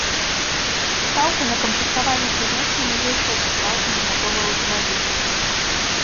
Стаўка на камплектавальнікі значна ніжэйшая за стаўку на гатовы аўтамабіль.